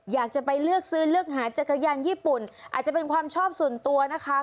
อยากจะไปเลือกซื้อเลือกหาจักรยานญี่ปุ่นอาจจะเป็นความชอบส่วนตัวนะคะ